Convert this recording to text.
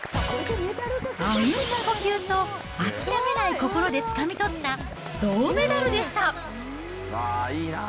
あうんの呼吸と諦めない心でつかみ取った銅メダルでした。